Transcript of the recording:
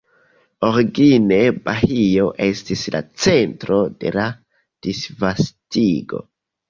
Origine Bahio estis la centro de la disvastiĝo.